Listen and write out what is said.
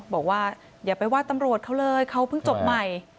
บอกว่าอย่าไปว่าตำรวจเขาเลยเขาเพิ่งจบใหม่